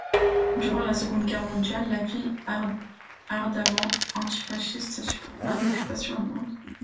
Durant la Seconde Guerre mondiale, la ville, ardemment anti-fasciste, supporte mal l’occupation allemande.